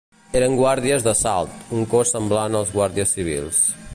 Eren guàrdies d'assalt, un cos semblant als guàrdies civils